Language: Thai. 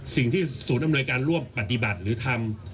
สิ่งที่ศูนย์อำนวยการร่วมปฏิบัติหรือทำ